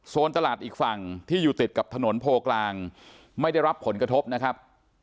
ตลาดอีกฝั่งที่อยู่ติดกับถนนโพกลางไม่ได้รับผลกระทบนะครับ